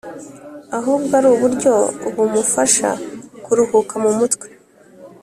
ahubwo ari uburyo bumufasha kuruhuka mu mutwe.